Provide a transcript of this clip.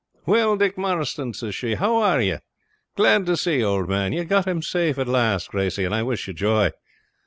'Well, Dick Marston,' says she, 'how are you? Glad to see you, old man. You've got him safe at last, Gracey, and I wish you joy.